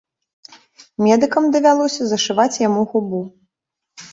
Медыкам давялося зашываць яму губу.